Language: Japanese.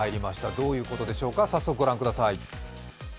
どういうことでしょうか、早速ご覧ください。